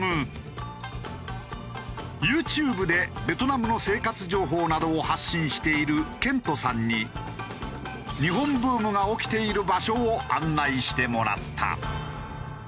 ＹｏｕＴｕｂｅでベトナムの生活情報などを発信しているけんとさんに日本ブームが起きている場所を案内してもらった。